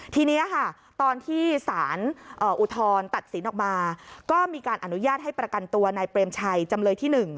ทีนี้ค่ะตอนที่สารอุทธรณ์ตัดสินออกมาก็มีการอนุญาตให้ประกันตัวนายเปรมชัยจำเลยที่๑